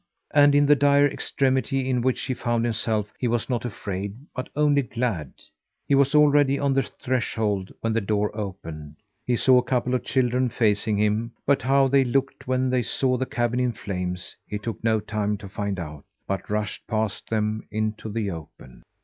And in the dire extremity in which he found himself, he was not afraid, but only glad. He was already on the threshold when the door opened. He saw a couple of children facing him; but how they looked when they saw the cabin in flames, he took no time to find out; but rushed past them into the open.